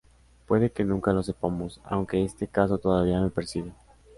Puede que nunca lo sepamos, aunque este caso todavía me persigue.